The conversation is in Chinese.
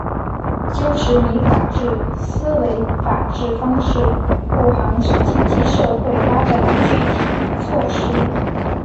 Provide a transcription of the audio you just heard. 坚持以法治思维法治方式护航经济社会发展的具体措施